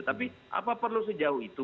tapi apa perlu sejauh itu